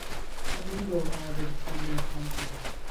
Flamengo are the defending champions.